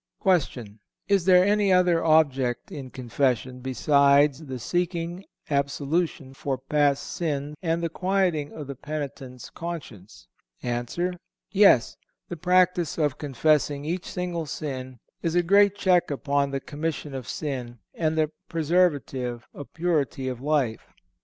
_ Is there any other object in confession, besides the seeking absolution for past sin and the quieting of the penitent's conscience? A. Yes; the practice of confessing each single sin is a great check upon the commission of sin and a preservative of purity of life.